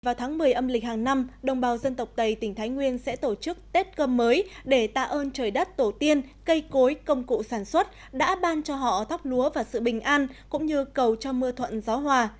vào tháng một mươi âm lịch hàng năm đồng bào dân tộc tây tỉnh thái nguyên sẽ tổ chức tết cơm mới để tạ ơn trời đất tổ tiên cây cối công cụ sản xuất đã ban cho họ thóc lúa và sự bình an cũng như cầu cho mưa thuận gió hòa